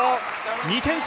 ２点差。